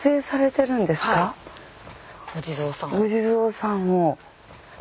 お地蔵さんを。